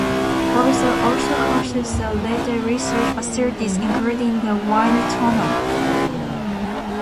Bovisa also houses the related research facilities, including the wind tunnel.